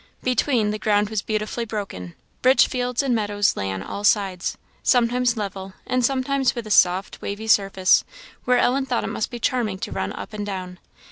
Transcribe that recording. Between, the ground was beautifully broken. Rich fields and meadows lay on all sides, sometimes level, and sometimes with a soft, wavy surface, where Ellen thought it must be charming to run up and down.